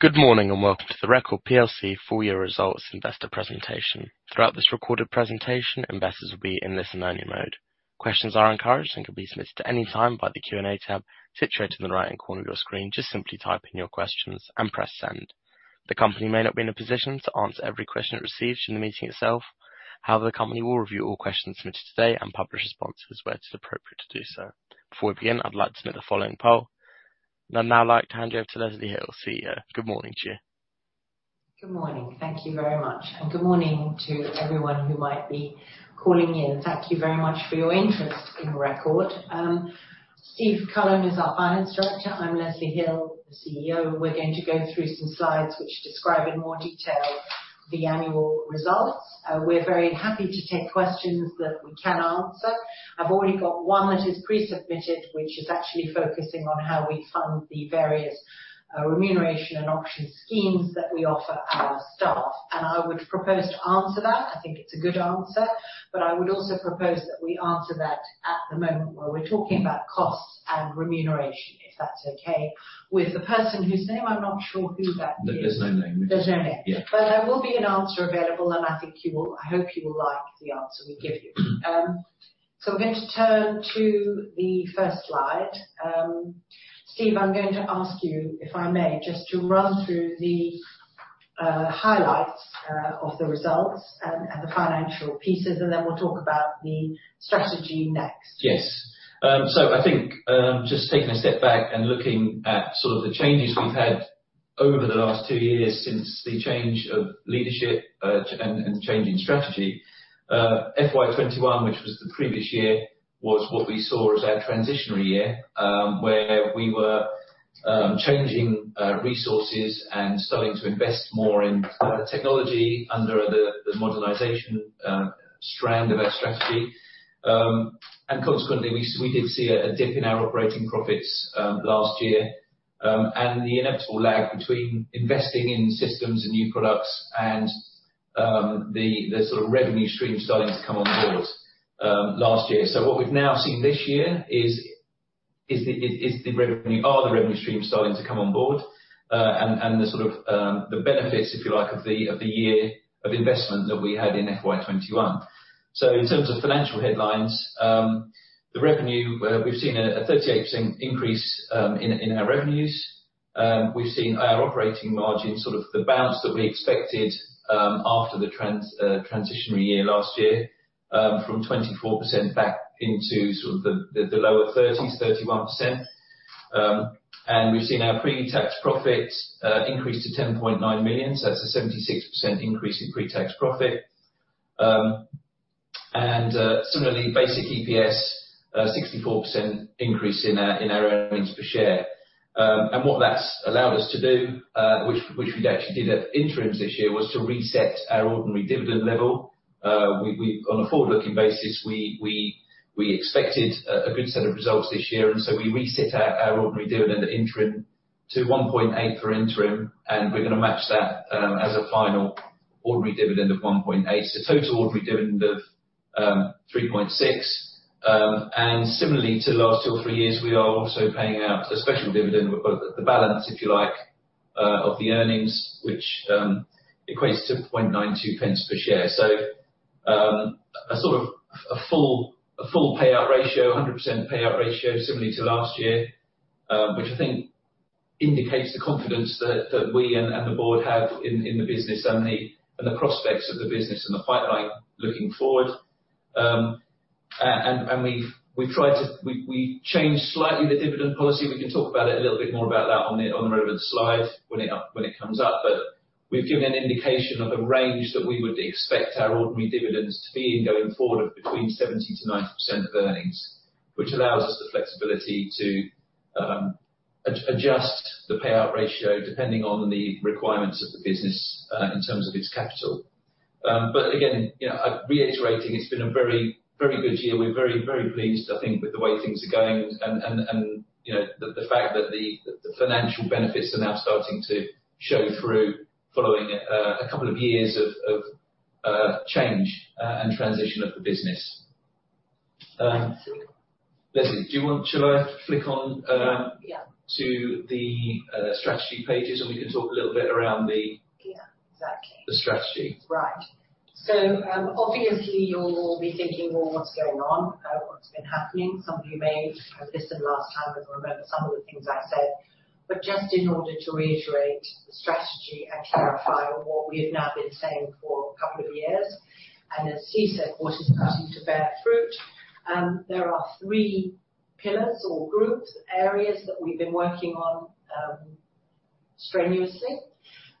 Good morning, and welcome to the Record plc full year results investor presentation. Throughout this recorded presentation, investors will be in listen-only mode. Questions are encouraged and can be submitted at any time via the Q&A tab situated in the right-hand corner of your screen. Just simply type in your questions and press Send. The company may not be in a position to answer every question it receives during the meeting itself. However, the company will review all questions submitted today and publish responses where it's appropriate to do so. Before we begin, I'd like to run the following poll. I'd now like to hand you over to Leslie Hill, CEO. Good morning to you. Good morning. Thank you very much. Good morning to everyone who might be calling in. Thank you very much for your interest in Record. Steve Cullen is our Finance Director. I'm Leslie Hill, the CEO. We're going to go through some slides which describe in more detail the annual results. We're very happy to take questions that we can answer. I've already got one that is pre-submitted, which is actually focusing on how we fund the various remuneration and option schemes that we offer our staff, and I would propose to answer that. I think it's a good answer, but I would also propose that we answer that at the moment where we're talking about costs and remuneration, if that's okay with the person whose name I'm not sure who that is. There's no name. There's no name. There will be an answer available, and I think you will, I hope you will like the answer we give you. We're going to turn to the first slide. Steve, I'm going to ask you, if I may, just to run through the highlights of the results and the financial pieces, and then we'll talk about the strategy next. Yes. I think just taking a step back and looking at sort of the changes we've had over the last two years since the change of leadership and the change in strategy. FY 2021, which was the previous year, was what we saw as our transitional year, where we were changing resources and starting to invest more in technology under the modernization strand of our strategy. Consequently, we did see a dip in our operating profits last year and the inevitable lag between investing in systems and new products and the sort of revenue stream starting to come on board last year. What we've now seen this year is the revenue streams starting to come on board, and the sort of the benefits, if you like, of the year of investment that we had in FY 2021. In terms of financial headlines, the revenue we've seen a 38% increase in our revenues. We've seen our operating margin, sort of the bounce that we expected, after the transitional year last year, from 24% back into sort of the lower thirties, 31%. We've seen our pre-tax profits increase to 10.9 million. That's a 76% increase in pre-tax profit. Similarly, basic EPS, a 64% increase in our earnings per share. What that's allowed us to do, which we actually did at interims this year, was to reset our ordinary dividend level. On a forward-looking basis, we expected a good set of results this year, and so we reset our ordinary dividend at interim to 0.018 for interim, and we're gonna match that, as a final ordinary dividend of 0.018. Total ordinary dividend of 0.036. Similarly to the last two or three years, we are also paying out a special dividend. We've got the balance, if you like, of the earnings, which equates to 0.0092 per share. A sort of a full payout ratio, 100% payout ratio similarly to last year, which I think indicates the confidence that we and the board have in the business and the prospects of the business and the pipeline looking forward. We've changed slightly the dividend policy. We can talk about it a little bit more on the relevant slide when it comes up. We've given an indication of a range that we would expect our ordinary dividends to be in going forward of between 70% to 90% of earnings, which allows us the flexibility to adjust the payout ratio depending on the requirements of the business in terms of its capital. Reiterating, it's been a very, very good year. We're very, very pleased, I think, with the way things are going and the fact that the financial benefits are now starting to show through following a couple of years of change and transition of the business. Leslie, do you want? Shall I flick on to the strategy pages, and we can talk a little bit around the Exactly. the strategy. Right. Obviously you'll be thinking, "Well, what's going on? What's been happening?" Some of you may have listened last time and remember some of the things I said. Just in order to reiterate the strategy and clarify what we have now been saying for a couple of years, and as Steve said, what is starting to bear fruit, there are three pillars or groups, areas that we've been working on, strenuously.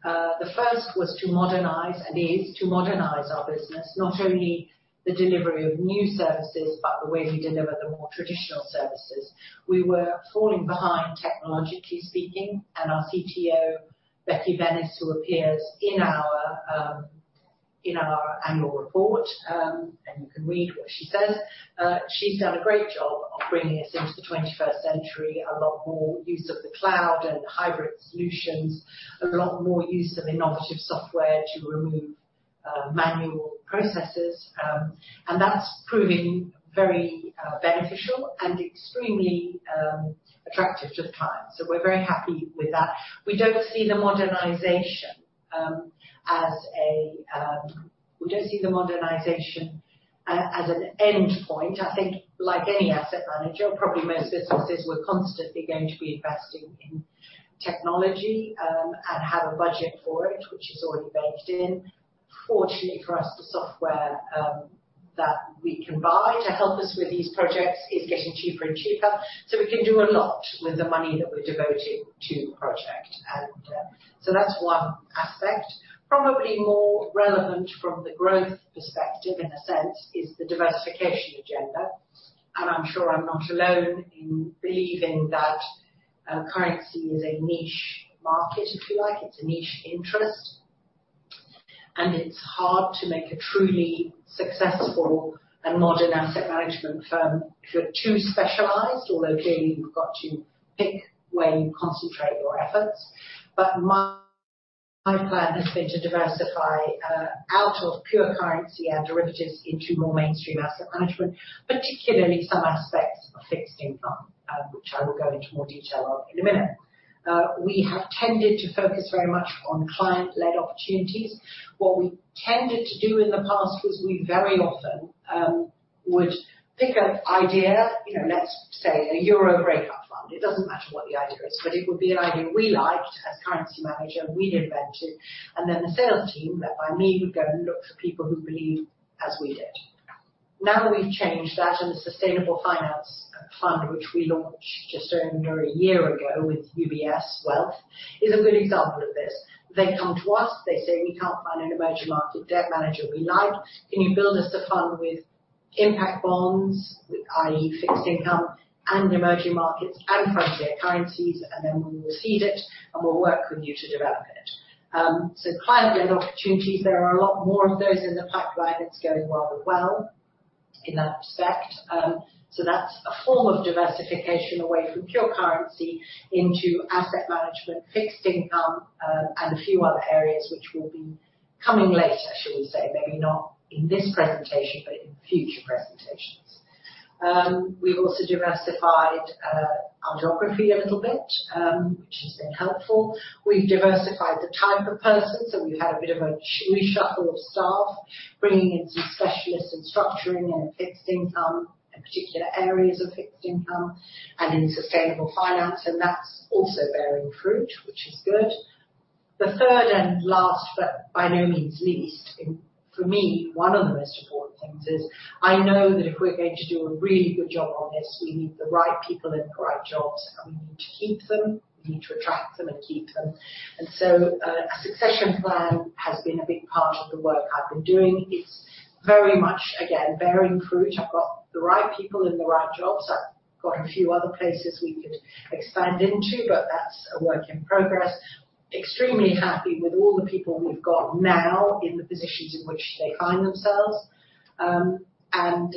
The first was to modernize, and is to modernize our business, not only the delivery of new services, but the way we deliver the more traditional services. We were falling behind technologically speaking, and our CTO, Becky Sherwood, who appears in our, in our annual report, and you can read what she says. She's done a great job of bringing us into the 21st century. A lot more use of the cloud and hybrid solutions. A lot more use of innovative software to remove manual processes. That's proving very beneficial and extremely attractive to the client. We're very happy with that. We don't see the modernization as an endpoint. I think like any asset manager, probably most businesses, we're constantly going to be investing in technology and have a budget for it, which is already baked in. Fortunately for us, the software that we can buy to help us with these projects is getting cheaper and cheaper. We can do a lot with the money that we're devoting to the project. That's one aspect. Probably more relevant from the growth perspective, in a sense, is the diversification agenda. I'm sure I'm not alone in believing that, currency is a niche market, if you like. It's a niche interest. It's hard to make a truly successful and modern asset management firm if you're too specialized. Although clearly, you've got to pick where you concentrate your efforts. My plan has been to diversify out of pure currency and derivatives into more mainstream asset management, particularly some aspects of fixed income, which I will go into more detail of in a minute. We have tended to focus very much on client-led opportunities. What we tended to do in the past was we very often would pick an idea, let's say a Euro breakup fund. It doesn't matter what the idea is, but it would be an idea we liked as currency manager, and we'd invent it. The sales team, led by me, would go and look for people who believed as we did. Now that we've changed that, and the sustainable finance fund, which we launched just under a year ago with UBS Wealth, is a good example of this. They come to us, they say, "We can't find an emerging market debt manager we like. Can you build us a fund with impact bonds, with i.e. fixed income and emerging markets and frontier currencies, and then we will seed it, and we'll work with you to develop it." Client-led opportunities, there are a lot more of those in the pipeline. It's going rather well in that respect. That's a form of diversification away from pure currency into asset management, fixed income, and a few other areas which will be coming later, should we say. Maybe not in this presentation, but in future presentations. We've also diversified our geography a little bit, which has been helpful. We've diversified the type of person, so we've had a bit of a reshuffle of staff, bringing in some specialists in structuring and fixed income, in particular areas of fixed income and in sustainable finance, and that's also bearing fruit, which is good. The third and last, but by no means least, for me, one of the most important things is I know that if we're going to do a really good job on this, we need the right people in the right jobs. We need to keep them. We need to attract them and keep them. A succession plan has been a big part of the work I've been doing. It's very much, again, bearing fruit. I've got the right people in the right jobs. I've got a few other places we could expand into, but that's a work in progress. Extremely happy with all the people we've got now in the positions in which they find themselves, and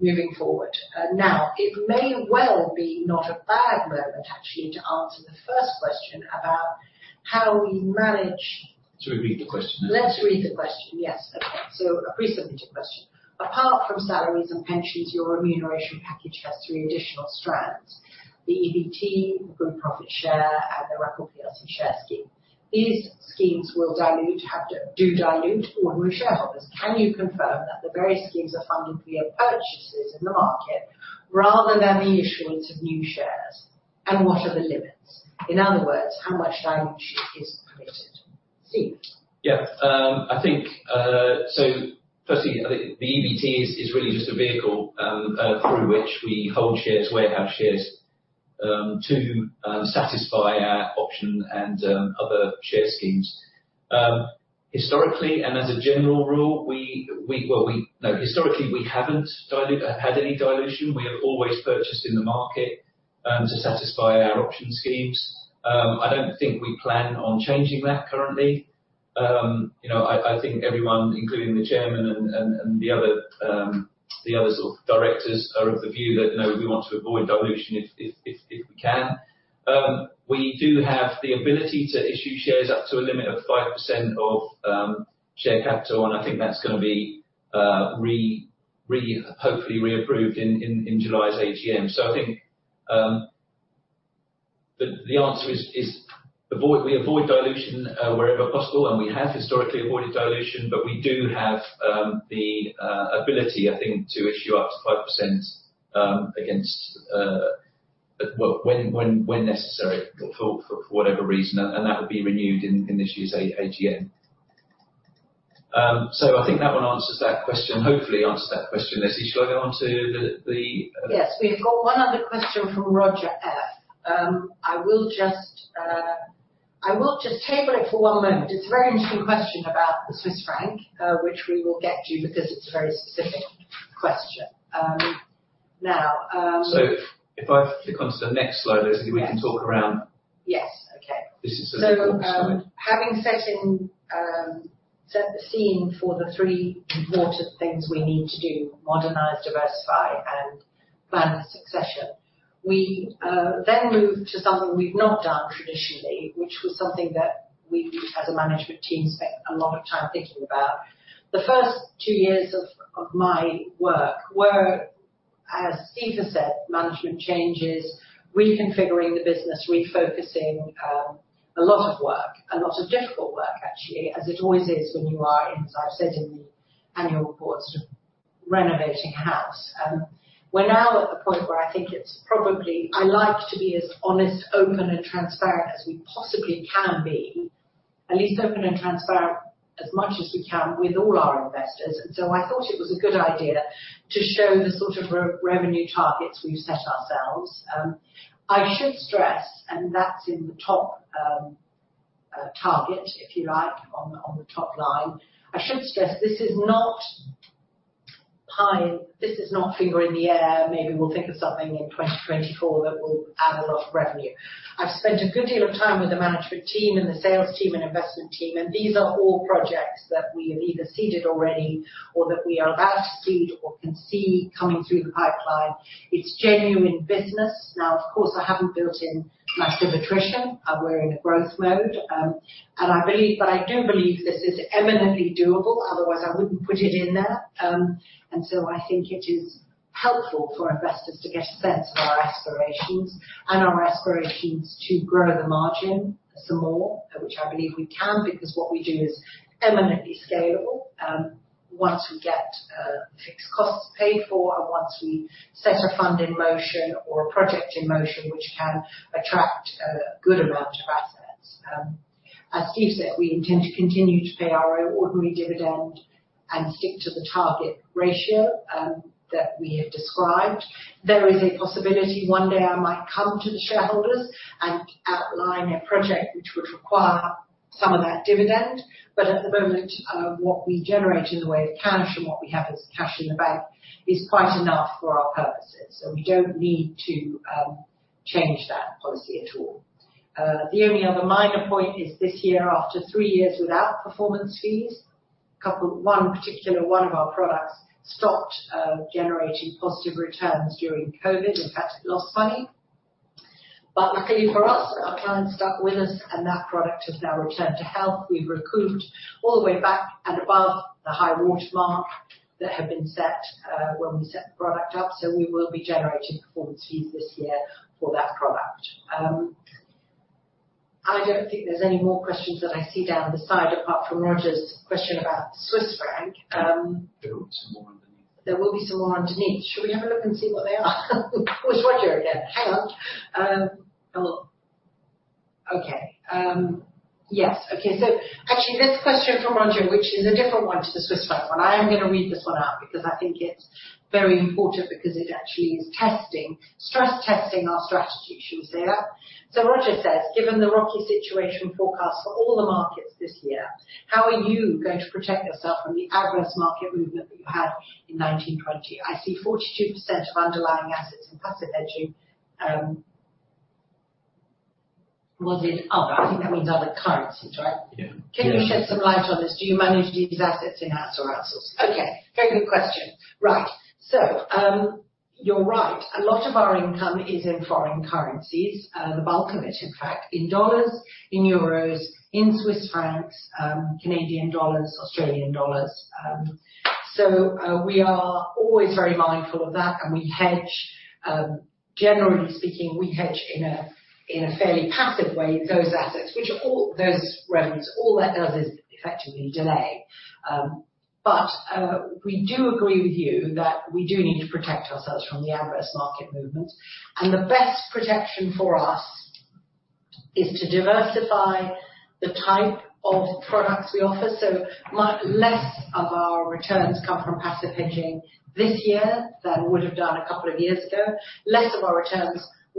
moving forward. Now, it may well be not a bad moment actually to answer the first question about how we manage. Shall we read the question now? Let's read the question. Yes. Okay. A pre-submitted question. Apart from salaries and pensions, your remuneration package has three additional strands: the EBITDA, the group profit share, and the Record plc share scheme. These schemes do dilute ordinary shareholders. Can you confirm that the various schemes are funded via purchases in the market rather than the issuance of new shares? And what are the limits? In other words, how much dilution is permitted? Steve. I think, firstly, the EBT is really just a vehicle through which we hold shares, warehouse shares, to satisfy our option and other share schemes. Historically and as a general rule, we haven't had any dilution. We have always purchased in the market to satisfy our option schemes. I don't think we plan on changing that currently. I think everyone, including the chairman and the other sort of directors are of the view that, we want to avoid dilution if we can. We do have the ability to issue shares up to a limit of 5% of share capital, and I think that's gonna be hopefully reapproved in July's AGM. I think the answer is we avoid dilution wherever possible, and we have historically avoided dilution. We do have the ability, I think, to issue up to 5% against well, when necessary for whatever reason, and that would be renewed in this year's AGM. I think that one answers that question. Hopefully answers that question, Leslie. Shall I go on to the Yes. We've got one other question from Roger F. I will just table it for one moment. It's a very interesting question about the Swiss franc, which we will get to because it's a very specific question. If I flick onto the next slide, Leslie. Yes. -we can talk around- Yes. Okay. Having set the scene for the three important things we need to do, modernize, diversify, and plan succession. We moved to something we've not done traditionally, which was something that we as a management team spent a lot of time thinking about. The first two years of my work were, as Steve has said, management changes, reconfiguring the business, refocusing, a lot of work. A lot of difficult work actually, as it always is when you are, as I've said in the annual reports, renovating a house. We're now at the point where I think it's probably. I like to be as honest, open and transparent as we possibly can be. At least open and transparent as much as we can with all our investors. I thought it was a good idea to show the sort of revenue targets we've set ourselves. I should stress, and that's in the top target, if you like, on the top line. I should stress this is not finger in the air, maybe we'll think of something in 2024 that will add a lot of revenue. I've spent a good deal of time with the management team and the sales team and investment team, and these are all projects that we have either seeded already or that we are about to seed or can see coming through the pipeline. It's genuine business. Now, of course, I haven't built in much of attrition. We're in a growth mode, and I believe. But I do believe this is eminently doable, otherwise I wouldn't put it in there. I think it is helpful for investors to get a sense of our aspirations to grow the margin some more, which I believe we can, because what we do is eminently scalable, once we get fixed costs paid for and once we set a fund in motion or a project in motion, which can attract a good amount of assets. As Steve said, we intend to continue to pay our ordinary dividend and stick to the target ratio that we have described. There is a possibility one day I might come to the shareholders and outline a project which would require some of that dividend. But at the moment, what we generate in the way of cash and what we have as cash in the bank is quite enough for our purposes. We don't need to change that policy at all. The only other minor point is this year, after three years without performance fees, one particular one of our products stopped generating positive returns during COVID. In fact, it lost money. Luckily for us, our client stuck with us and that product has now returned to health. We've recouped all the way back and above the high watermark that had been set, when we set the product up, so we will be generating performance fees this year for that product. I don't think there's any more questions that I see down the side apart from Roger's question about the Swiss franc. There will be some more underneath. Should we have a look and see what they are? It's Roger again. Actually this question from Roger, which is a different one to the Swiss franc one. I am gonna read this one out because I think it's very important because it actually is testing, stress testing our strategy, shall we say. Roger says, "Given the rocky situation forecast for all the markets this year, how are you going to protect yourself from the adverse market movement that you had in 1920? I see 42% of underlying assets in passive hedging." Was it other? I think that means other currencies, right? Can you shed some light on this? Do you manage these assets in-house or outsource?" Okay, very good question. Right. You're right. A lot of our income is in foreign currencies. The bulk of it, in fact, in dollars, in euros, in Swiss franc's, Canadian dollars, Australian dollars. We are always very mindful of that, and we hedge. Generally speaking, we hedge in a fairly passive way those assets, which all those revenues, all that does is effectively delay. We do agree with you that we do need to protect ourselves from the adverse market movements. The best protection for us is to diversify the type of products we offer. Much less of our returns come from passive hedging this year than would have done a couple of years ago. Less of our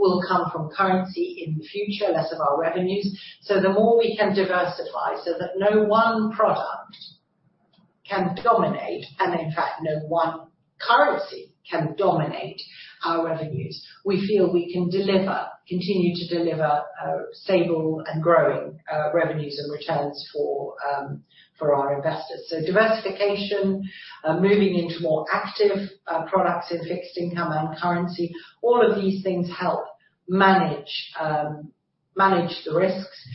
returns will come from currency in the future, less of our revenues. The more we can diversify so that no one product can dominate, and in fact, no one currency can dominate our revenues, we feel we can deliver, continue to deliver, stable and growing, revenues and returns for our investors. Diversification, moving into more active, products in fixed income and currency, all of these things help manage the risks.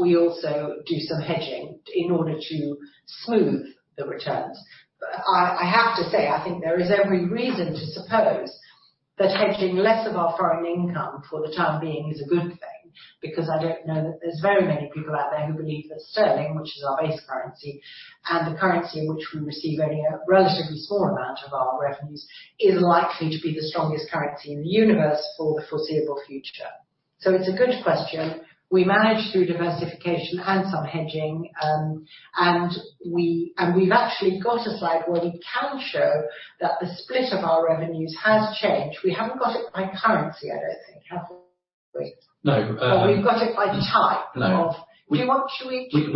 We also do some hedging in order to smooth the returns. I have to say, I think there is every reason to suppose that hedging less of our foreign income for the time being is a good thing, because I don't know that there's very many people out there who believe that sterling, which is our base currency, and the currency in which we receive only a relatively small amount of our revenues, is likely to be the strongest currency in the universe for the foreseeable future. It's a good question. We manage through diversification and some hedging, and we've actually got a slide where we can show that the split of our revenues has changed. We haven't got it by currency, I don't think, have we? No. We've got it by type. No. Of. Do you want. Shall we- Shall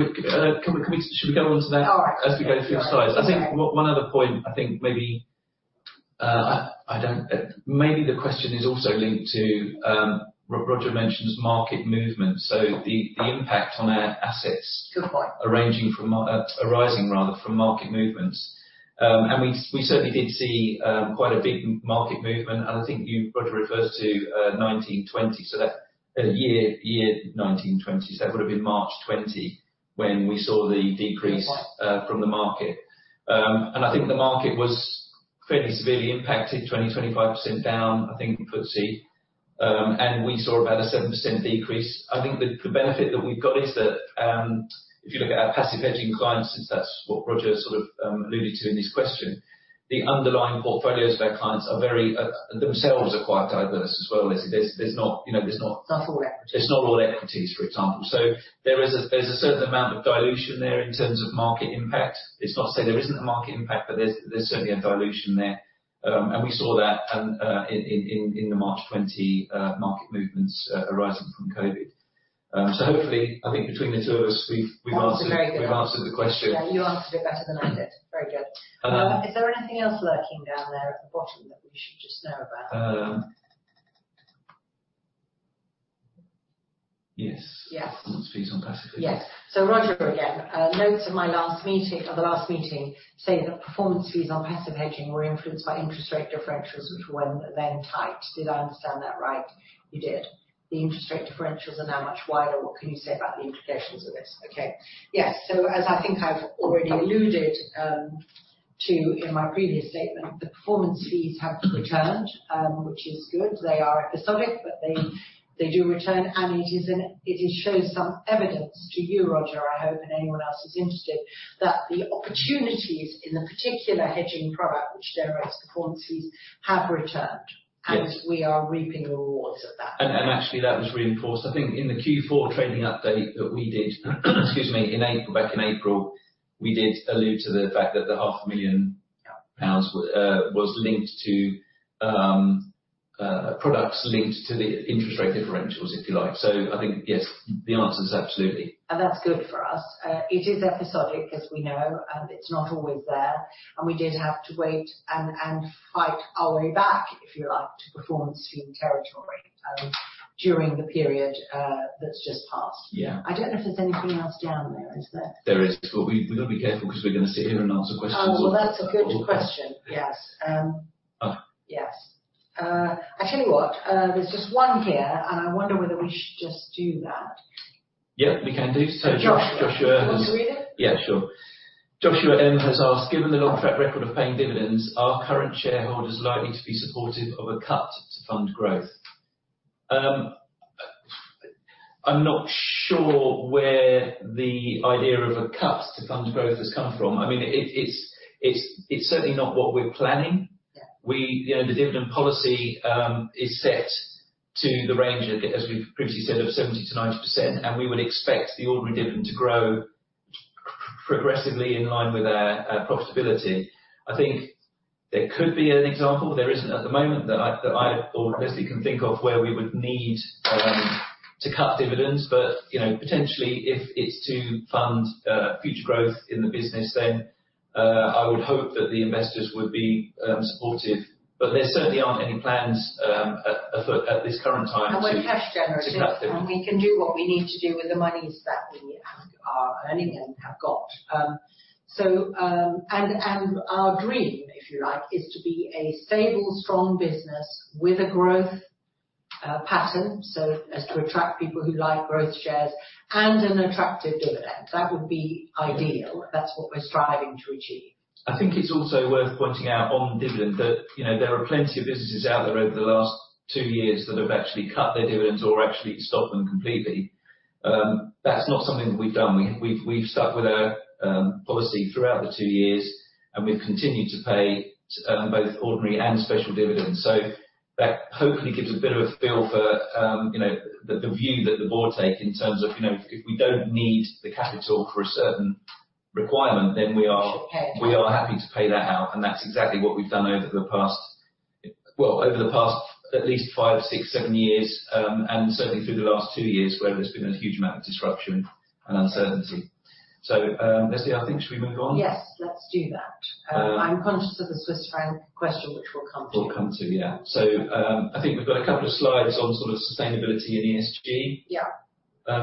we go on to that? All right. As we go through the slides. Sure. Okay. I think one other point, I think maybe I don't. Maybe the question is also linked to Roger mentions market movement, so the impact on our assets. Good point. Arising rather, from market movements. We certainly did see quite a big market movement. I think you, Roger F, refers to 1920. That a year 1920. That would have been March 2020 when we saw the decrease from the market. I think the market was fairly severely impacted, 20-25% down, I think, FTSE. We saw about a 7% decrease. I think the benefit that we've got is that, if you look at our passive hedging clients, since that's what Roger F alluded to in his question, the underlying portfolios of our clients are very, themselves are quite diverse as well, Leslie. There's not, there's not. Not all equities. It's not all equities, for example. There is a, there's a certain amount of dilution there in terms of market impact. It's not to say there isn't a market impact, but there's certainly a dilution there. We saw that in the March 2020 market movements arising from COVID. Hopefully, I think between the two of us, we've answered- That was a very good answer. We've answered the question. You answered it better than I did. Very good. Is there anything else lurking down there at the bottom that we should just know about? Yes. Yes. Performance fees on passive hedging. Yes. Roger again. Notes of the last meeting say that performance fees on passive hedging were influenced by interest rate differentials, which were then tight. Did I understand that right? You did. The interest rate differentials are now much wider. What can you say about the implications of this? Okay. Yes. As I think I've already alluded to in my previous statement, the performance fees have returned, which is good. They are episodic, but they do return. It shows some evidence to you, Roger F, I hope, and anyone else who's interested, that the opportunities in the particular hedging product which generates performance fees have returned. Yes. We are reaping the rewards of that. Actually, that was reinforced, I think, in the Q4 trading update that we did, excuse me, in April, back in April. We did allude to the fact that the 500 million pounds was linked to products linked to the interest rate differentials, if you like. I think, yes, the answer is absolutely. That's good for us. It is episodic, as we know. It's not always there. We did have to wait and fight our way back, if you like, to performance fee territory, during the period that's just passed. I don't know if there's anything else down there, is there? There is. We've got to be careful because we're gonna sit here and answer questions all- Oh, well, that's a good question. Yes. I tell you what, there's just one here, and I wonder whether we should just do that. We can do. Josh- Joshua. Joshua. Do you want to read it? Sure. Joshua M has asked, "Given the long track record of paying dividends, are current shareholders likely to be supportive of a cut to fund growth?" I'm not sure where the idea of a cut to fund growth has come from. I mean, it's certainly not what we're planning. Well, the dividend policy is set to the range, as we've previously said, of 70%-90%, and we would expect the ordinary dividend to grow progressively in line with our profitability. I think there could be an example. There isn't at the moment that I or Leslie can think of where we would need to cut dividends. Potentially, if it's to fund future growth in the business, then I would hope that the investors would be supportive. There certainly aren't any plans afoot at this current time to- We're cash generative. To cut dividends. We can do what we need to do with the monies that we have, are earning and have got. Our dream, if you like, is to be a stable, strong business with a growth pattern, so as to attract people who like growth shares and an attractive dividend. That would be ideal. That's what we're striving to achieve. I think it's also worth pointing out on dividend that, there are plenty of businesses out there over the last 2 years that have actually cut their dividends or actually stopped them completely. That's not something that we've done. We've stuck with our policy throughout the two years, and we've continued to pay both ordinary and special dividends. That hopefully gives a bit of a feel for, the view that the board take in terms of, if we don't need the capital for a certain requirement, then we are. We should pay it out. We are happy to pay that out, and that's exactly what we've done well over the past at least five, six, seven years, and certainly through the last two years, where there's been a huge amount of disruption and uncertainty. Leslie, I think, should we move on? Yes. Let's do that. I'm conscious of the Swiss franc question, which we'll come to. I think we've got a couple of slides on sort of sustainability and ESG.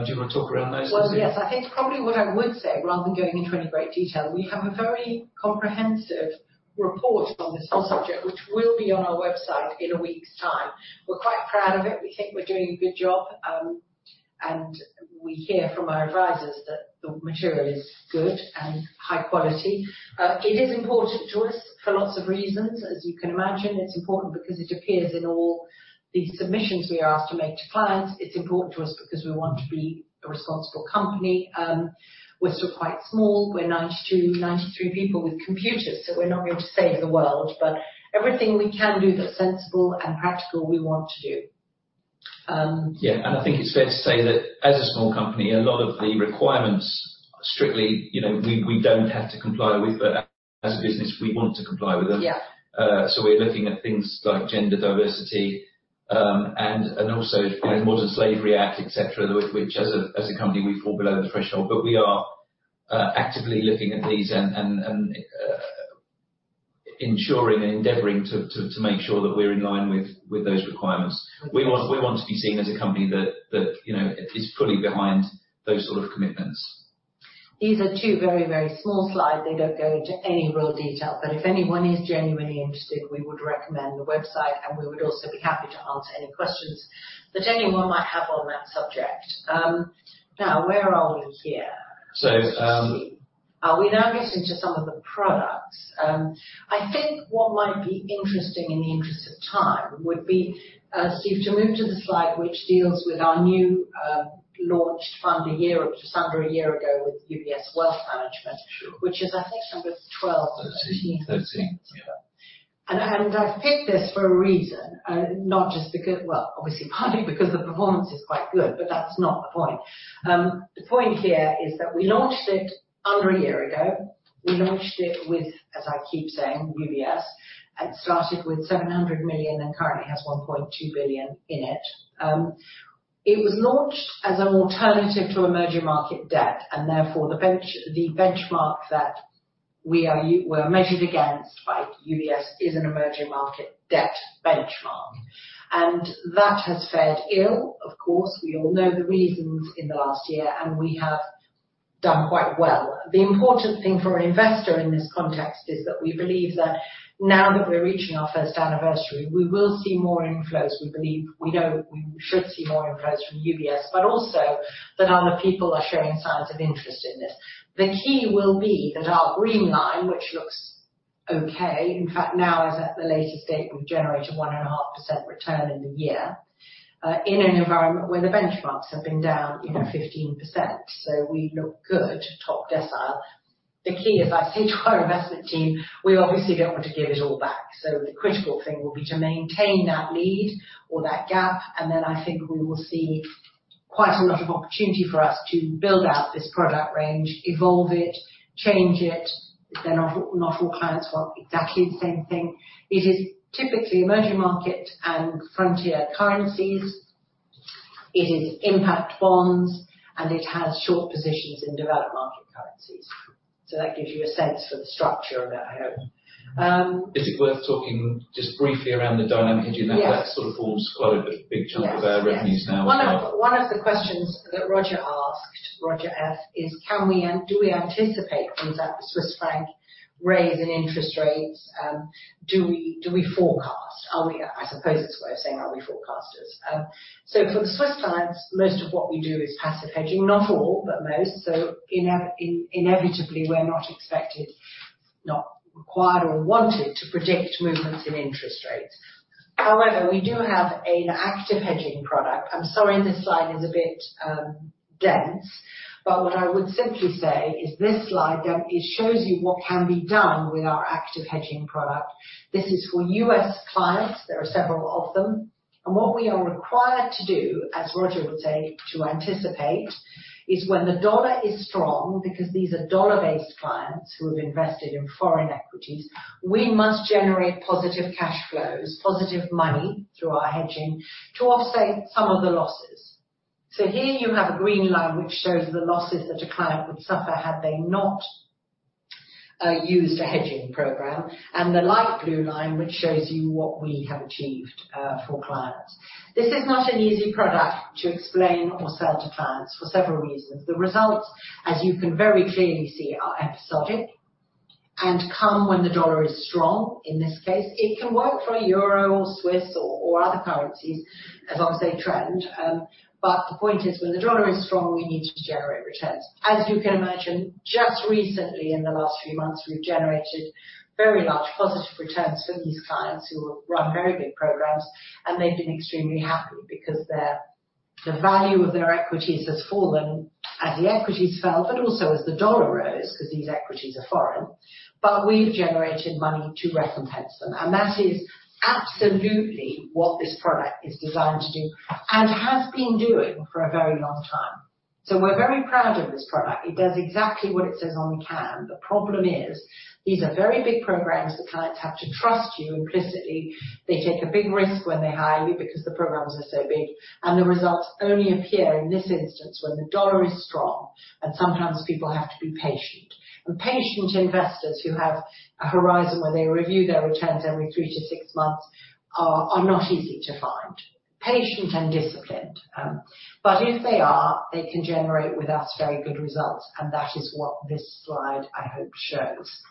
Do you wanna talk around those, Leslie? Well, yes. I think probably what I would say, rather than going into any great detail, we have a very comprehensive report on this whole subject, which will be on our website in a week's time. We're quite proud of it. We think we're doing a good job. We hear from our advisers that the material is good and high quality. It is important to us for lots of reasons. As you can imagine, it's important because it appears in all the submissions we are asked to make to clients. It's important to us because we want to be a responsible company. We're still quite small. We're 92-93 people with computers, so we're not going to save the world. Everything we can do that's sensible and practical, we want to do. I think it's fair to say that as a small company, a lot of the requirements strictly, we don't have to comply with, but as a business, we want to comply with them. We're looking at things like gender diversity, and also the Modern Slavery Act, et cetera, which as a company, we fall below the threshold. We are actively looking at these and ensuring and endeavoring to make sure that we're in line with those requirements. We want to be seen as a company that, is fully behind those sort of commitments. These are two very, very small slides. They don't go into any real detail, but if anyone is genuinely interested, we would recommend the website, and we would also be happy to answer any questions that anyone might have on that subject. Now where are we here? Let's see. We now get into some of the products. I think what might be interesting in the interest of time would be, Steve, to move to the slide which deals with our new, launched fund a year, just under a year ago with UBS Wealth Management. Sure. Which is, I think, number 12. 13. I've picked this for a reason, not just because, well, obviously partly because the performance is quite good, but that's not the point. The point here is that we launched it under a year ago. We launched it with, as I keep saying, UBS. It started with 700 million and currently has 1.2 billion in it. It was launched as an alternative to emerging market debt, and therefore the benchmark that we're measured against by UBS is an emerging market debt benchmark. That has fared ill, of course. We all know the reasons in the last year, and we have done quite well. The important thing for an investor in this context is that we believe that now that we're reaching our first anniversary, we will see more inflows. We know we should see more inflows from UBS, but also that other people are showing signs of interest in this. The key will be that our green line, which looks okay, in fact, now as at the latest date, we've generated 1.5% return in the year, in an environment where the benchmarks have been down, 15%. We look good, top decile. The key, as I say to our investment team, we obviously don't want to give it all back. The critical thing will be to maintain that lead or that gap, and then I think we will see quite a lot of opportunity for us to build out this product range, evolve it, change it, because they're not all clients want exactly the same thing. It is typically emerging market and frontier currencies. It is impact bonds, and it has short positions in developed market currencies. That gives you a sense for the structure of it, I hope. Is it worth talking just briefly around the dynamic hedging? Yes. That sort of forms quite a big chunk of our revenues now. Yes. One of the questions that Roger F asked is, can we and do we anticipate things like the Swiss franc raise in interest rates? Do we forecast? Are we? I suppose it's worth saying, are we forecasters? For the Swiss clients, most of what we do is passive hedging. Not all, but most. Inevitably, we're not expected, not required or wanted, to predict movements in interest rates. However, we do have an active hedging product. I'm sorry this slide is a bit dense, but what I would simply say is this slide then, it shows you what can be done with our active hedging product. This is for U.S. clients. There are several of them. What we are required to do, as Roger would say, to anticipate, is when the dollar is strong, because these are dollar-based clients who have invested in foreign equities, we must generate positive cash flows, positive money through our hedging to offset some of the losses. Here you have a green line which shows the losses that a client would suffer had they not used a hedging program, and the light blue line, which shows you what we have achieved for clients. This is not an easy product to explain or sell to clients for several reasons. The results, as you can very clearly see, are episodic and come when the dollar is strong, in this case. It can work for a euro or Swiss or other currencies as long as they trend. The point is, when the dollar is strong, we need to generate returns. As you can imagine, just recently, in the last few months, we've generated very large positive returns for these clients who run very big programs, and they've been extremely happy because the value of their equities has fallen as the equities fell, but also as the dollar rose, because these equities are foreign. We've generated money to recompense them. That is absolutely what this product is designed to do and has been doing for a very long time. We're very proud of this product. It does exactly what it says on the can. The problem is, these are very big programs. The clients have to trust you implicitly. They take a big risk when they hire you because the programs are so big, and the results only appear in this instance when the dollar is strong, and sometimes people have to be patient. Patient investors who have a horizon where they review their returns every three to six months are not easy to find. Patient and disciplined. If they are, they can generate with us very good results, and that is what this slide, I hope, shows.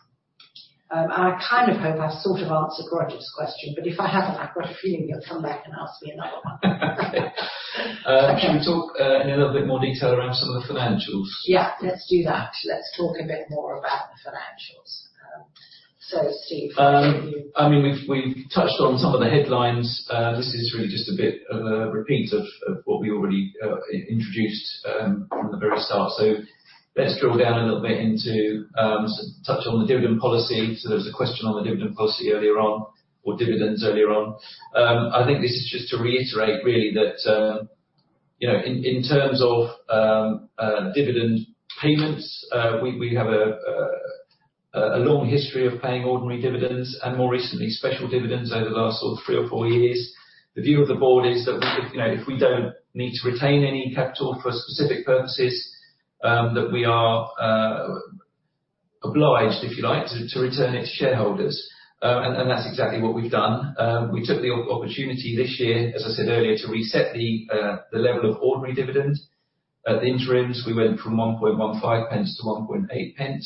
I kind of hope I've sort of answered Roger's question, but if I haven't, I've got a feeling he'll come back and ask me another one. Okay. Shall we talk in a little bit more detail around some of the financials? Let's do that. Let's talk a bit more about the financials. Steve, if you- I mean, we've touched on some of the headlines. This is really just a bit of a repeat of what we already introduced from the very start. Let's drill down a little bit into touch on the dividend policy. There was a question on the dividend policy earlier on or dividends earlier on. I think this is just to reiterate really that in terms of dividend payments, we have a long history of paying ordinary dividends and more recently, special dividends over the last sort of three or four years. The view of the board is that we if we don't need to retain any capital for specific purposes, that we are obliged, if you like, to return it to shareholders. That's exactly what we've done. We took the opportunity this year, as I said earlier, to reset the level of ordinary dividend. At the interims, we went from 0.0115-0.018.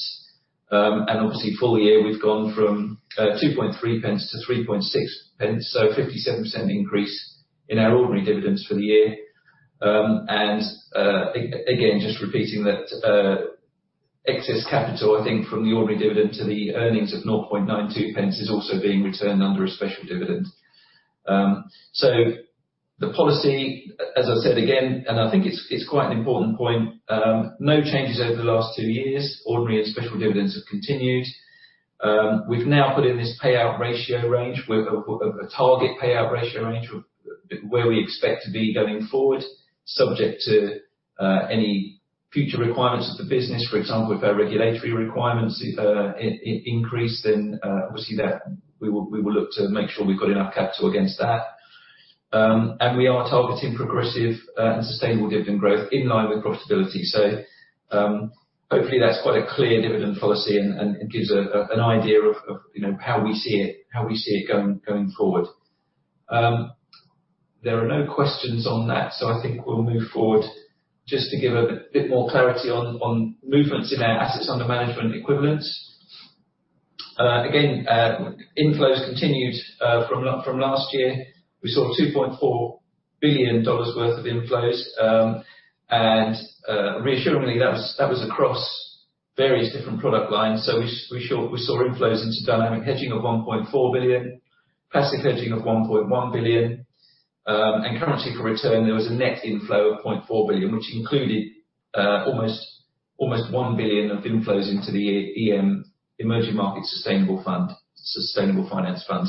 Obviously full year we've gone from 0.023-0.036, so 57% increase in our ordinary dividends for the year. Just repeating that, excess capital, I think from the ordinary dividend to the earnings of 0.0092 is also being returned under a special dividend. The policy, as I said again, and I think it's quite an important point, no changes over the last two years. Ordinary and special dividends have continued. We've now put in this payout ratio range with a target payout ratio range of where we expect to be going forward, subject to any future requirements of the business. For example, if our regulatory requirements increase, then obviously we will look to make sure we've got enough capital against that. We are targeting progressive and sustainable dividend growth in line with profitability. Hopefully that's quite a clear dividend policy and it gives an idea of how we see it going forward. There are no questions on that, so I think we'll move forward just to give a bit more clarity on movements in our assets under management equivalents. Again, inflows continued from last year. We saw $2.4 billion worth of inflows. Reassuringly, that was across various different product lines. We saw inflows into dynamic hedging of $1.4 billion, classic hedging of $1.1 billion, and currency for return, there was a net inflow of $0.4 billion, which included almost $1 billion of inflows into the EM, emerging market sustainable finance fund.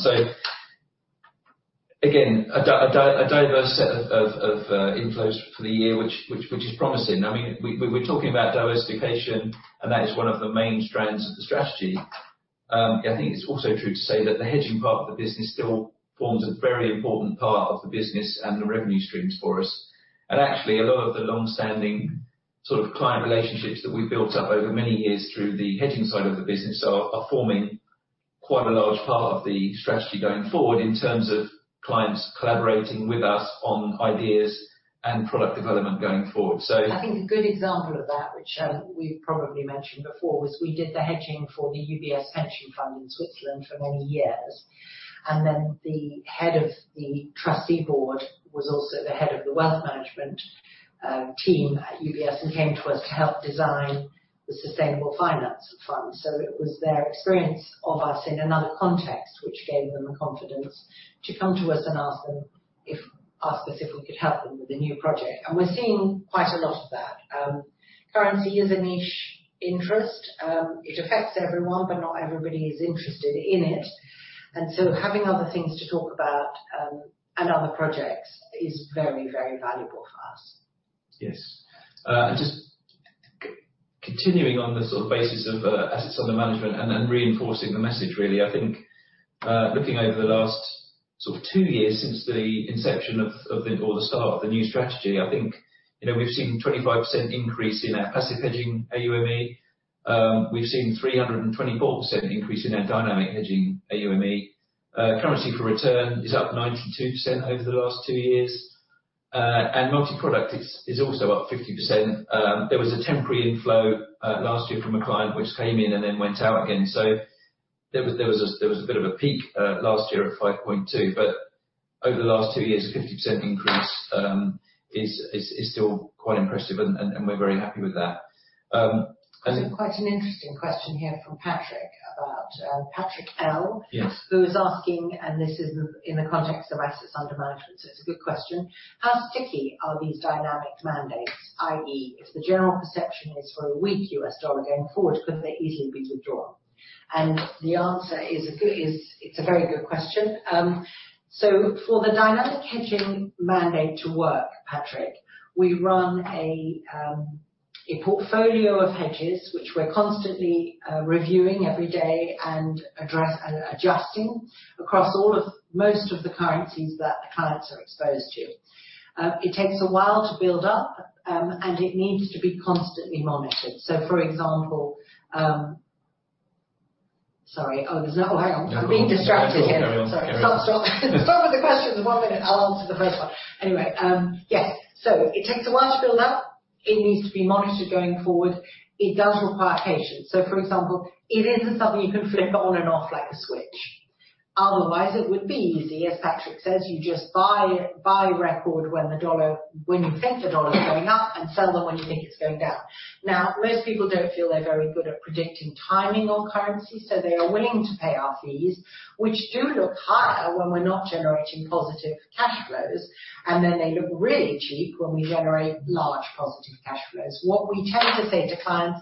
A diverse set of inflows for the year which is promising. I mean, we're talking about diversification, and that is one of the main strands of the strategy. I think it's also true to say that the hedging part of the business still forms a very important part of the business and the revenue streams for us. Actually, a lot of the long-standing sort of client relationships that we've built up over many years through the hedging side of the business are forming quite a large part of the strategy going forward in terms of clients collaborating with us on ideas and product development going forward. I think a good example of that, which we've probably mentioned before, was we did the hedging for the UBS pension fund in Switzerland for many years, and then the head of the trustee board was also the head of the wealth management team at UBS and came to us to help design the sustainable finance fund. It was their experience of us in another context which gave them the confidence to come to us and ask us if we could help them with a new project. We're seeing quite a lot of that. Currency is a niche interest. It affects everyone, but not everybody is interested in it. Having other things to talk about and other projects is very, very valuable for us. Yes. Just continuing on the sort of basis of assets under management and reinforcing the message really. I think, looking over the last sort of two years since the inception or the start of the new strategy, I think we've seen 25% increase in our passive hedging AUME. We've seen 324% increase in our dynamic hedging AUME. Currency for Return is up 92% over the last two years. Multi-product is also up 50%. There was a temporary inflow last year from a client which came in and then went out again. There was a bit of a peak last year at 5.2. Over the last two years, a 50% increase is still quite impressive and we're very happy with that. There's quite an interesting question here from Patrick about Patrick L. Yes. Who is asking, and this is in the context of assets under management, so it's a good question: How sticky are these dynamic mandates? I.e., if the general perception is for a weak US dollar going forward, couldn't they easily be withdrawn? The answer is it's a very good question. For the dynamic hedging mandate to work, Patrick L., we run a portfolio of hedges which we're constantly reviewing every day and adjusting across most of the currencies that the clients are exposed to. It takes a while to build up, and it needs to be constantly monitored. No. I'm being distracted here. That's all. Carry on. Sorry. Can't stop. Stop with the questions. One minute, I'll answer the first one. Anyway, yes. It takes a while to build up. It needs to be monitored going forward. It does require patience. For example, it isn't something you can flip on and off like a switch. Otherwise, it would be easy. As Patrick says, you just buy Record when you think the dollar's going up, and sell them when you think it's going down. Now, most people don't feel they're very good at predicting timing on currency, so they are willing to pay our fees, which do look higher when we're not generating positive cash flows. Then they look really cheap when we generate large positive cash flows. What we tend to say to clients,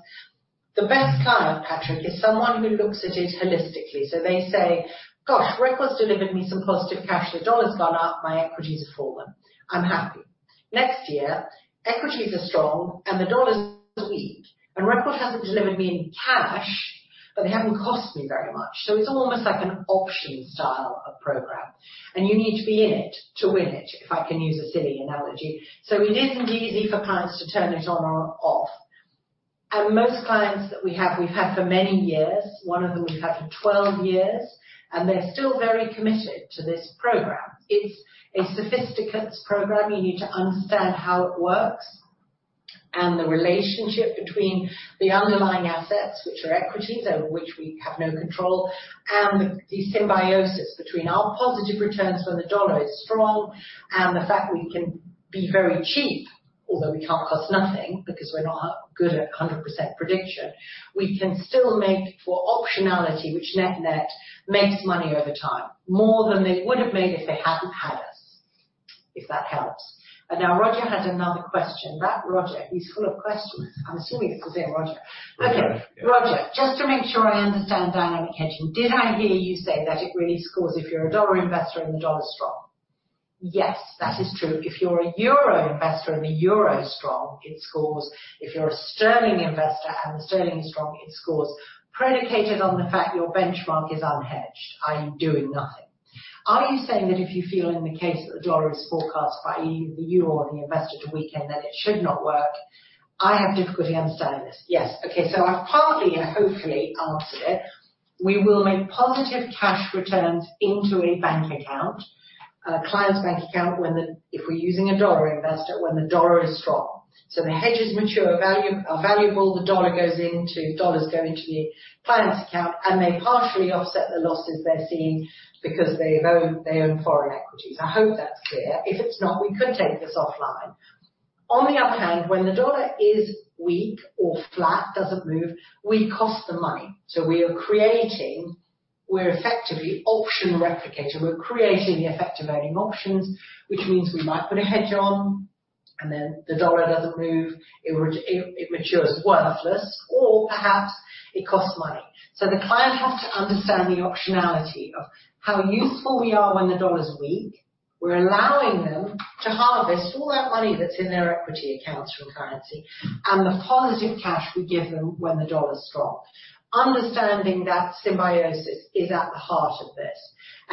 the best client, Patrick, is someone who looks at it holistically. They say, "Josh, Record's delivered me some positive cash. The dollar's gone up. My equities have fallen. I'm happy." Next year, equities are strong and the dollar's weak, and Record hasn't delivered me any cash, but they haven't cost me very much. It's almost like an option style of program, and you need to be in it to win it, if I can use a silly analogy. It isn't easy for clients to turn it on or off. Most clients that we have, we've had for many years. One of them we've had for 12 years, and they're still very committed to this program. It's a sophisticated program. You need to understand how it works and the relationship between the underlying assets, which are equities, over which we have no control, and the symbiosis between our positive returns when the US dollar is strong and the fact that we can be very cheap, although we can't cost nothing because we're not good at 100% prediction. We can still make for optionality, which net-net makes money over time, more than they would have made if they hadn't had us, if that helps. Now Roger F has another question. That Roger F, he's full of questions. I'm assuming it's the same Roger F. Roger. Okay. Roger F., just to make sure I understand dynamic hedging, did I hear you say that it really scores if you're a dollar investor and the dollar is strong? Yes, that is true. If you're a euro investor and the euro is strong, it scores. If you're a sterling investor and the sterling is strong, it scores. Predicated on the fact your benchmark is unhedged, i.e., doing nothing. Are you saying that if you feel in the case that the dollar is forecast by either the euro or the investor to weaken, then it should not work? I have difficulty understanding this. Yes. Okay. So I've partly and hopefully answered it. We will make positive cash returns into a bank account, a client's bank account if we're using a dollar investor, when the dollar is strong. So the hedges' maturity value are valuable. Dollars go into the client's account, and they partially offset the losses they're seeing because they own foreign equities. I hope that's clear. If it's not, we could take this offline. On the other hand, when the dollar is weak or flat, doesn't move, we cost them money. We're effectively option replicator. We're creating the effect of owning options, which means we might put a hedge on, and then the dollar doesn't move. It matures worthless or perhaps it costs money. The client has to understand the optionality of how useful we are when the dollar's weak. We're allowing them to harvest all that money that's in their equity accounts from currency and the positive cash we give them when the dollar is strong. Understanding that symbiosis is at the heart of this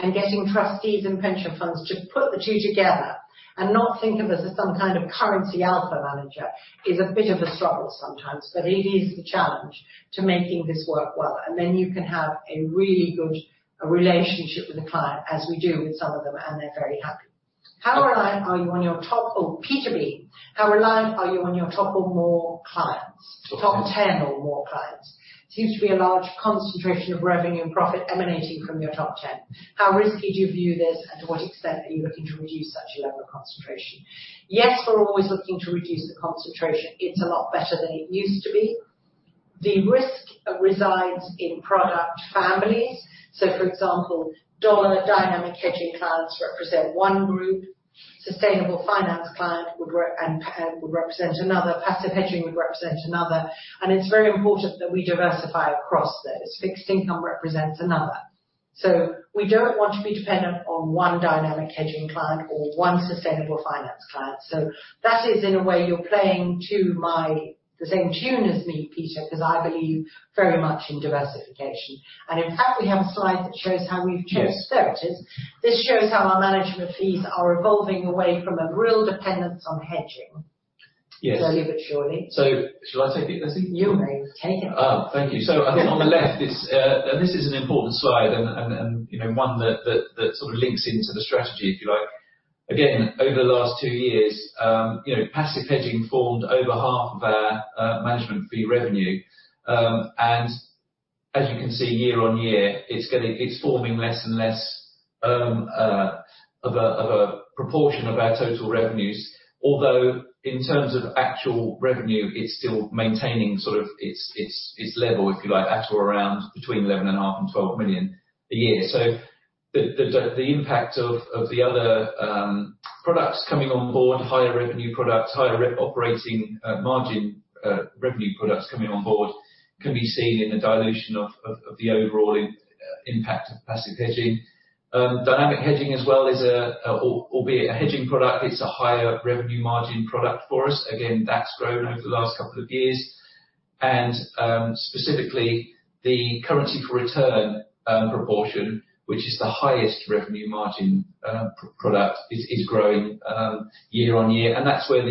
and getting trustees and pension funds to put the two together and not think of us as some kind of currency alpha manager is a bit of a struggle sometimes, but it is the challenge to making this work well. Then you can have a really good relationship with the client, as we do with some of them, and they're very happy. Oh, Peter B. How reliant are you on your top four or more clients? Top 10 or more clients. Seems to be a large concentration of revenue and profit emanating from your top ten. How risky do you view this, and to what extent are you looking to reduce such a level of concentration? Yes, we're always looking to reduce the concentration. It's a lot better than it used to be. The risk resides in product families. For example, dollar dynamic hedging clients represent one group. Sustainable finance client would represent another. Passive hedging would represent another. It's very important that we diversify across those. Fixed income represents another. We don't want to be dependent on one dynamic hedging client or one sustainable finance client. That is, in a way, you're playing to my, the same tune as me, Peter, 'cause I believe very much in diversification. In fact, we have a slide that shows how we've changed. Yes. There it is. This shows how our management fees are evolving away from a real dependence on hedging. Yes. Slowly but surely. Shall I take it, Leslie? You may take it. Thank you. On the left is. This is an important slide, one that sort of links into the strategy, if you like. Again, over the last two years, passive hedging formed over half of our management fee revenue. As you can see, year-on-year, it's forming less and less of a proportion of our total revenues. Although, in terms of actual revenue, it's still maintaining sort of its level, if you like, at or around between 11.5 million and 12 million a year. The impact of the other products coming on board, higher revenue products, higher operating margin revenue products coming on board, can be seen in the dilution of the overall impact of passive hedging. Dynamic hedging as well is, albeit, a hedging product, it's a higher revenue margin product for us. Again, that's grown over the last couple of years. Specifically, the Currency for Return proportion, which is the highest revenue margin product, is growing year on year. That's where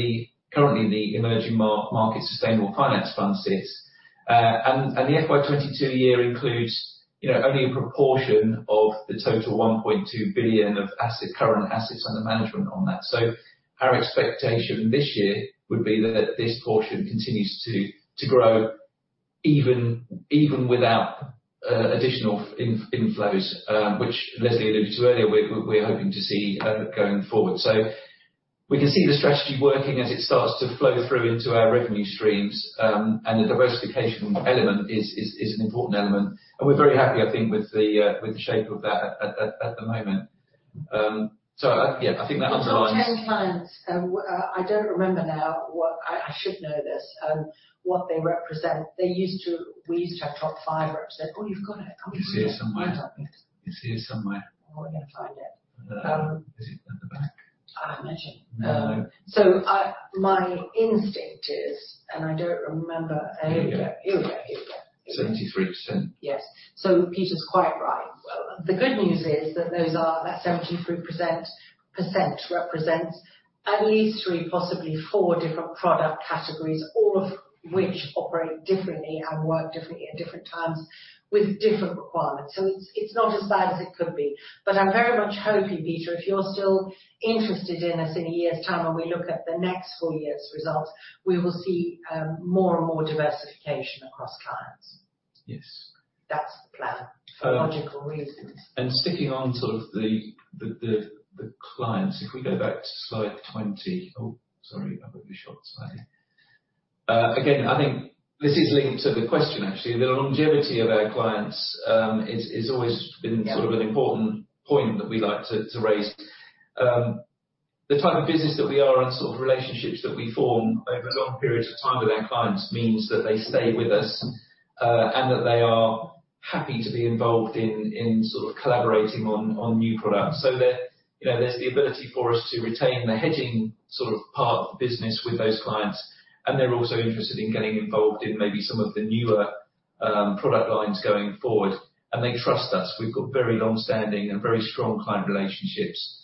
currently the EM Sustainable Finance Fund sits. The FY 2022 year includes only a proportion of the total 1.2 billion of assets under management on that. Our expectation this year would be that this portion continues to grow even without additional inflows, which Leslie alluded to earlier, we're hoping to see going forward. We can see the strategy working as it starts to flow through into our revenue streams. The diversification element is an important element. We're very happy, I think, with the shape of that at the moment. I think that underlines. The top 10 clients, I don't remember now what, I should know this, what they represent. They used to. We used to have top 5 represent. Oh, you've got it. Oh, you've got it. It's here somewhere. Yes. It's here somewhere. Oh, we're gonna find it. Is it at the back? Mentioned. No. My instinct is, and I don't remember. Here we go. Here we go. 73%? Yes. Peter's quite right. The good news is that 73% represents at least three, possibly four different product categories, all of which operate differently and work differently at different times with different requirements. It's not as bad as it could be. I very much hope, Peter, if you're still interested in us in a year's time when we look at the next full year's results, we will see more and more diversification across clients. Yes. That's the plan for logical reasons. Sticking on sort of the clients, if we go back to slide 20. Oh, sorry. I went a short slide. Again, I think this is linked to the question, actually. The longevity of our clients is always been an important point that we like to raise. The type of business that we are and sort of relationships that we form over long periods of time with our clients means that they stay with us, and that they are happy to be involved in sort of collaborating on new products. There, there's the ability for us to retain the hedging sort of part of the business with those clients, and they're also interested in getting involved in maybe some of the newer product lines going forward. They trust us. We've got very long-standing and very strong client relationships.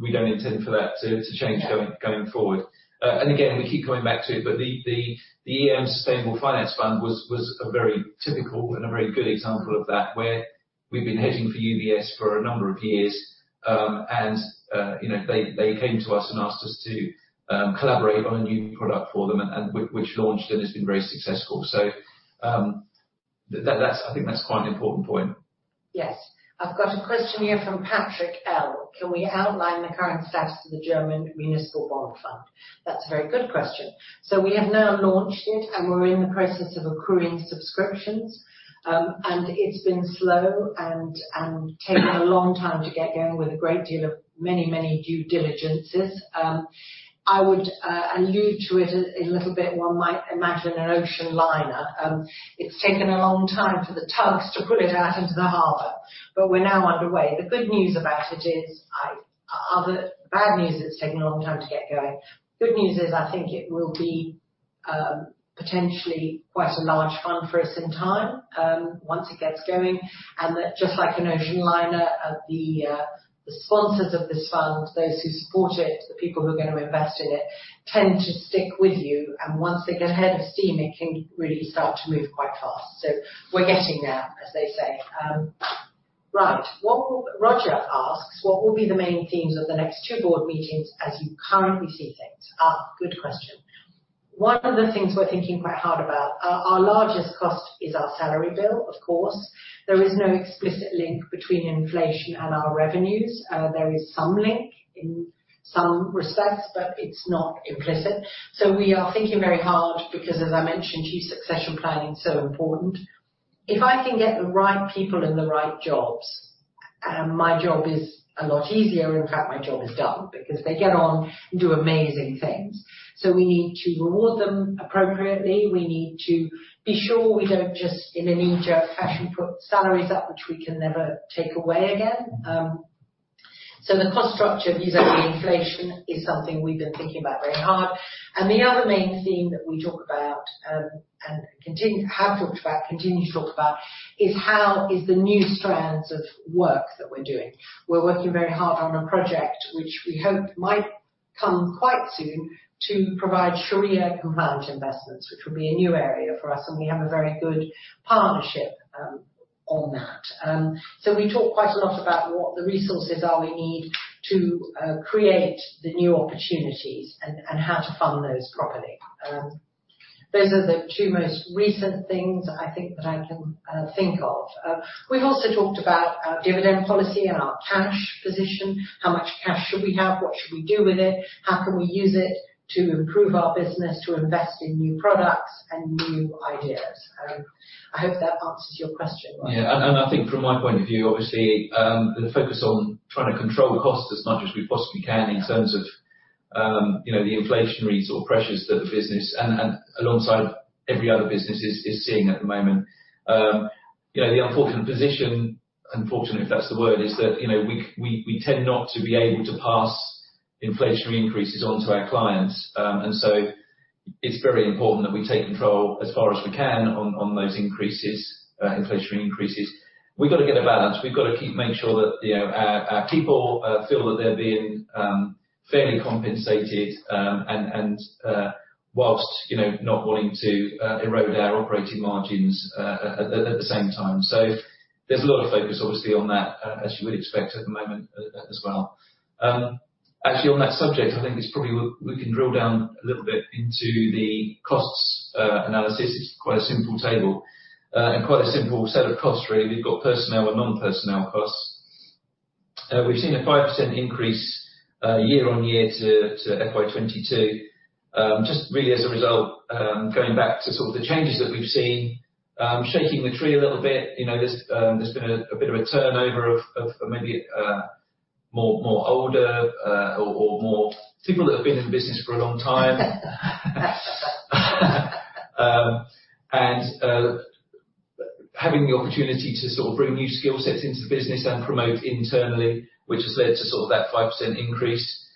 We don't intend for that to change. Going forward. Again, we keep going back to it, but the EM Sustainable Finance Fund was a very typical and a very good example of that, where we've been hedging for UBS for a number of years. They came to us and asked us to collaborate on a new product for them and which launched and has been very successful. That's, I think that's quite an important point. Yes. I've got a question here from Patrick L. Can we outline the current status of the German Municipal Bond Fund? That's a very good question. We have now launched it, and we're in the process of accruing subscriptions. It's been slow and taking a long time to get going with a great deal of many due diligences. I would allude to it a little bit, one might imagine an ocean liner. It's taken a long time for the tugs to pull it out into the harbor, but we're now underway. The good news about it is. The bad news is it's taken a long time to get going. Good news is I think it will be potentially quite a large fund for us in time, once it gets going, and that just like an ocean liner, the sponsors of this fund, those who support it, the people who are gonna invest in it, tend to stick with you. Once they get a head of steam, it can really start to move quite fast. We're getting there, as they say. Right. Roger F asks, "What will be the main themes of the next two board meetings as you currently see things?" Good question. One of the things we're thinking quite hard about, our largest cost is our salary bill, of course. There is no explicit link between inflation and our revenues. There is some link in some respects, but it's not implicit. We are thinking very hard because, as I mentioned, key succession planning is so important. If I can get the right people in the right jobs, my job is a lot easier. In fact, my job is done because they get on and do amazing things. We need to reward them appropriately. We need to be sure we don't just, in a knee-jerk fashion, put salaries up, which we can never take away again. The cost structure vis-à-vis inflation is something we've been thinking about very hard. The other main theme that we have talked about and continue to talk about is how the new strands of work that we're doing. We're working very hard on a project which we hope might come quite soon to provide Sharia compliant investments, which will be a new area for us, and we have a very good partnership on that. We talk quite a lot about what the resources are we need to create the new opportunities and how to fund those properly. Those are the two most recent things I think that I can think of. We've also talked about our dividend policy and our cash position. How much cash should we have? What should we do with it? How can we use it to improve our business, to invest in new products and new ideas? I hope that answers your question, Roger. I think from my point of view, obviously, the focus on trying to control costs as much as we possibly can in terms of, the inflationary sort of pressures that the business and alongside every other business is seeing at the moment. The unfortunate position, if that's the word, is that, we tend not to be able to pass inflationary increases on to our clients. It's very important that we take control as far as we can on those increases, inflationary increases. We've gotta get a balance. We've gotta keep making sure that, our people feel that they're being fairly compensated, and whilst, not wanting to erode our operating margins, at the same time. There's a lot of focus obviously on that, as you would expect at the moment as well. Actually on that subject, I think we can drill down a little bit into the costs analysis. It's quite a simple table, and quite a simple set of costs really. We've got personnel and non-personnel costs. We've seen a 5% increase, year-on-year to FY 2022, just really as a result, going back to sort of the changes that we've seen, shaking the tree a little bit. There's been a bit of a turnover of maybe more older, or more people that have been in the business for a long time. Having the opportunity to sort of bring new skill sets into the business and promote internally, which has led to sort of that 5% increase.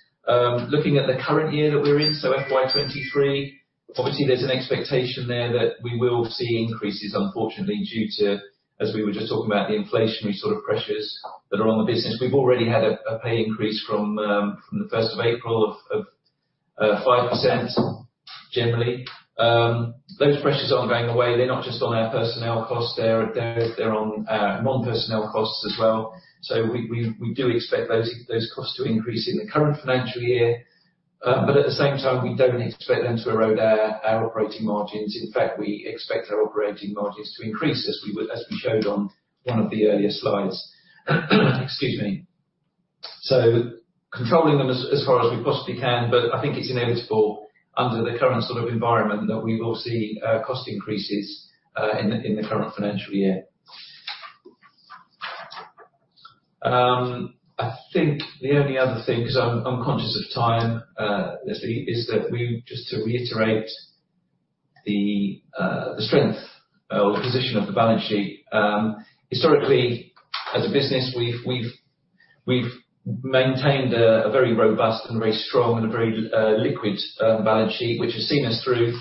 Looking at the current year that we're in, FY 2023, obviously there's an expectation there that we will see increases, unfortunately, due to, as we were just talking about, the inflationary sort of pressures that are on the business. We've already had a pay increase from the first of April of 5% generally. Those pressures aren't going away. They're not just on our personnel costs. They're on non-personnel costs as well. We do expect those costs to increase in the current financial year. But at the same time, we don't expect them to erode our operating margins. In fact, we expect our operating margins to increase as we showed on one of the earlier slides. Excuse me. Controlling them as far as we possibly can, but I think it's inevitable under the current sort of environment that we will see cost increases in the current financial year. I think the only other thing, 'cause I'm conscious of time, Leslie, is that we just to reiterate the strength or the position of the balance sheet. Historically, as a business, we've maintained a very robust and very strong and a very liquid balance sheet, which has seen us through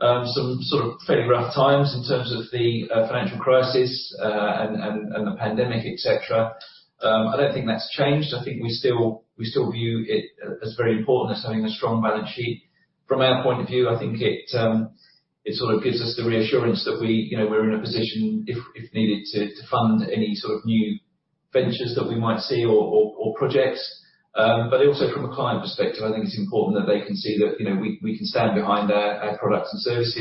some sort of fairly rough times in terms of the financial crisis and the pandemic, et cetera. I don't think that's changed. I think we still view it as very important as having a strong balance sheet. From our point of view, I think it sort of gives us the reassurance that we we're in a position if needed, to fund any sort of new ventures that we might see or projects. Also from a client perspective, I think it's important that they can see that, we can stand behind our products and service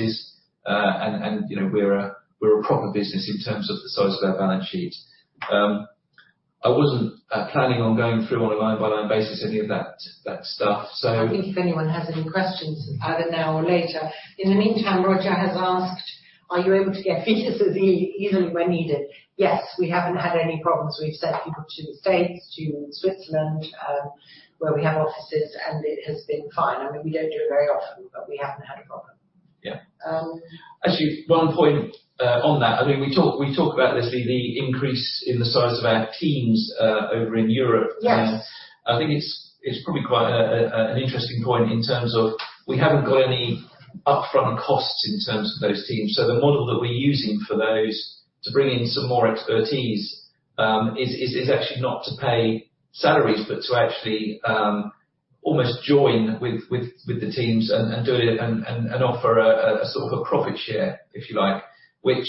we're a proper business in terms of the size of our balance sheet. I wasn't planning on going through on a line by line basis any of that stuff. I think if anyone has any questions, either now or later. In the meantime, Roger F has asked, "Are you able to get visas easily when needed?" Yes. We haven't had any problems. We've sent people to the States, to Switzerland, where we have offices, and it has been fine. I mean, we don't do it very often, but we haven't had a problem. Actually, one point on that. I mean, we talk about this, the increase in the size of our teams over in Europe. Yes. I think it's probably quite an interesting point in terms of we haven't got any upfront costs in terms of those teams. The model that we're using for those to bring in some more expertise is actually not to pay salaries, but to actually almost join with the teams and do it and offer a sort of profit share, if you like, which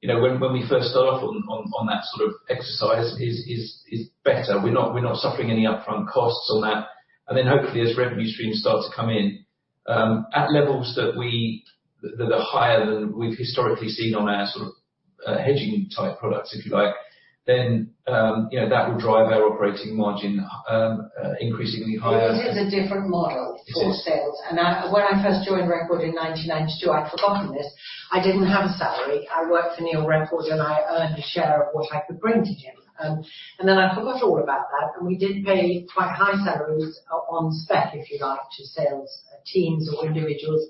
when we first start off on that sort of exercise is better. We're not suffering any upfront costs on that. Hopefully as revenue streams start to come in at levels that are higher than we've historically seen on our sort of hedging type products, if you like, then that will drive our operating margin increasingly higher. Well, it is a different model for sales. When I first joined Record in 1992, I'd forgotten this. I didn't have a salary. I worked for Neil Record, and I earned a share of what I could bring to him. I forgot all about that, and we did pay quite high salaries on spec, if you like, to sales teams or individuals.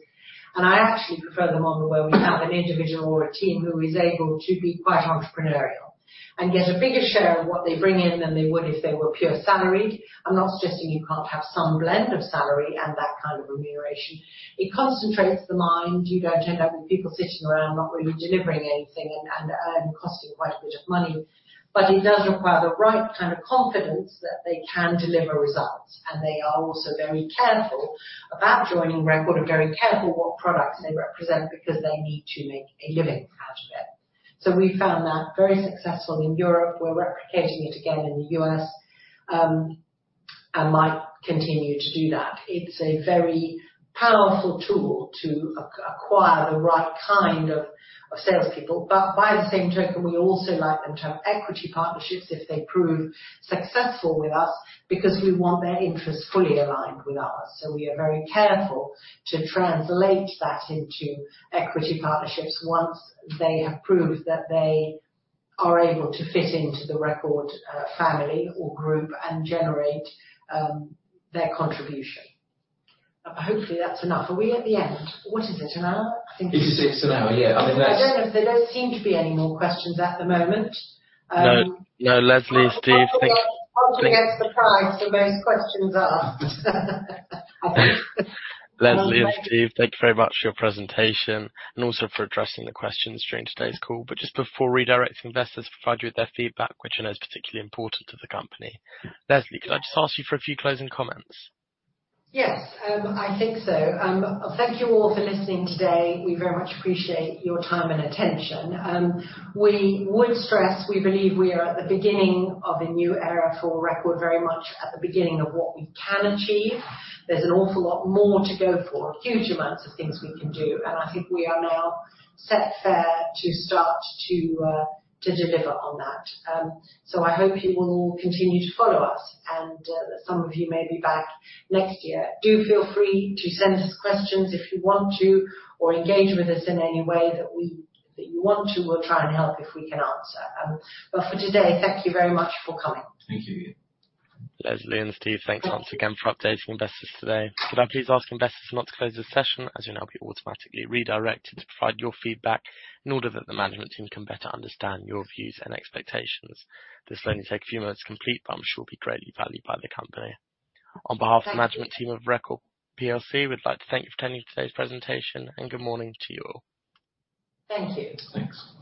I actually prefer the model where we have an individual or a team who is able to be quite entrepreneurial and get a bigger share of what they bring in than they would if they were pure salaried. I'm not suggesting you can't have some blend of salary and that kind of remuneration. It concentrates the mind. You don't end up with people sitting around not really delivering anything and costing quite a bit of money. It does require the right kind of confidence that they can deliver results. They are also very careful about joining Record and very careful what products they represent because they need to make a living out of it. We found that very successful in Europe. We're replicating it again in the U.S., and might continue to do that. It's a very powerful tool to acquire the right kind of salespeople. By the same token, we also like them to have equity partnerships if they prove successful with us because we want their interests fully aligned with ours. We are very careful to translate that into equity partnerships once they have proved that they are able to fit into the Record family or group and generate their contribution. Hopefully that's enough. Are we at the end? What is it, an hour? I think so. It is. It's an hour. I don't know. There don't seem to be any more questions at the moment. No, Leslie, Steve, thank- I wonder where- I wonder where surprise the most questions are. Leslie and Steve, thank you very much for your presentation and also for addressing the questions during today's call. Just before redirecting investors to provide you with their feedback, which I know is particularly important to the company, Leslie, could I just ask you for a few closing comments? Yes, I think so. Thank you all for listening today. We very much appreciate your time and attention. We would stress, we believe we are at the beginning of a new era for Record, very much at the beginning of what we can achieve. There's an awful lot more to go for, huge amounts of things we can do, and I think we are now set fair to start to deliver on that. I hope you will continue to follow us, and some of you may be back next year. Do feel free to send us questions if you want to or engage with us in any way that you want to. We'll try and help if we can answer. For today, thank you very much for coming. Thank you. Leslie and Steve, thanks once again for updating investors today. Could I please ask investors to not close this session, as you'll now be automatically redirected to provide your feedback in order that the management team can better understand your views and expectations. This will only take a few minutes to complete, but I'm sure will be greatly valued by the company. Thank you. On behalf of the management team of Record plc, we'd like to thank you for attending today's presentation, and good morning to you all. Thank you. Thanks.